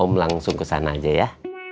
om langsung ke sana aja ya